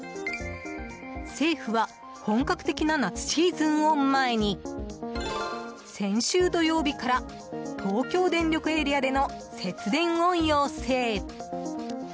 政府は本格的な夏シーズンを前に先週土曜日から東京電力エリアでの節電を要請。